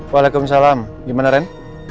waalaikumsalam gimana ren